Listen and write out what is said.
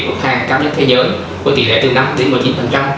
của hàng cao nhất thế giới với tỷ lệ từ năm đến một mươi chín